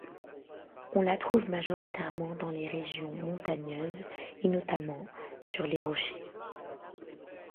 On la trouve majoritairement dans les régions montagneuses et notamment sur les rochers.